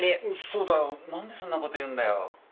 そうだよ何でそんなこと言うんだよ？